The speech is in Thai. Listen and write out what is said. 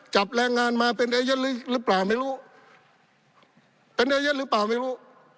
จับแรงงานมาเป็นเอเย่นหรือเปล่าไม่รู้เป็นเอเย่นหรือเปล่าไม่รู้